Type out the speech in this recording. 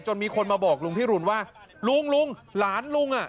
มีคนมาบอกลุงพิรุณว่าลุงลุงหลานลุงอ่ะ